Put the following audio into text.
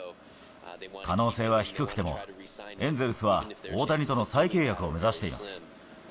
可能性は低くても、エンゼルスは大谷との再契約を目指しています。